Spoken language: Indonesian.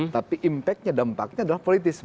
tapi impactnya dampaknya adalah politis